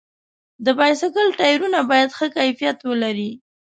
د بایسکل ټایرونه باید ښه کیفیت ولري.